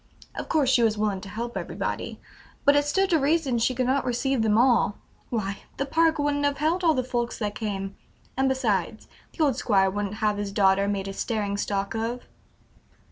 Of course she was willing to help everybody, but it stood to reason she could not receive them all; why, the park wouldn't have held all the folks that came, and besides, the old Squire wouldn't have his daughter made a staring stock of."